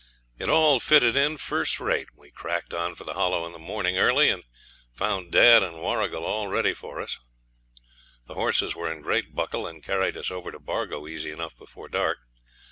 It all fitted in first rate. We cracked on for the Hollow in the morning early, and found dad and Warrigal all ready for us. The horses were in great buckle, and carried us over to Bargo easy enough before dark.